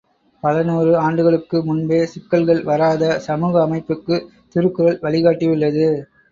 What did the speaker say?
பல நூறு ஆண்டுகளுக்கு முன்பே சிக்கல்கள் வராத சமூக அமைப்புக்கு, திருக்குறள் வழி காட்டியுள்ளது.